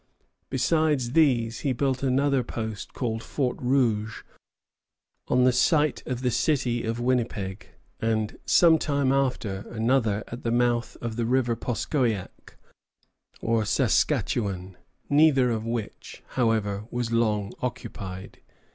Besides these he built another post, called Fort Rouge, on the site of the city of Winnipeg; and, some time after, another, at the mouth of the River Poskoiac, or Saskatchawan, neither of which, however, was long occupied.